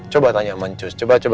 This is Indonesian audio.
coba tanya sama njus